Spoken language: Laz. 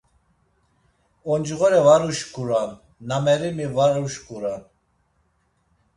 Oncğore var uşǩuran, nameremi var uşǩuran.